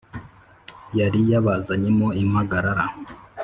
Yari yabazanyemo impagarara